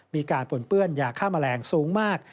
มีการผลเปื้อนยาข้ามแรงสูงมาก